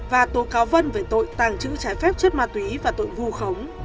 và tố cáo vân về tội tàng trữ trái phép chất ma túy và tội vu khống